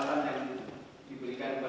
mas inger ya